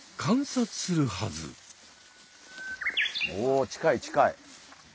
お近い近い。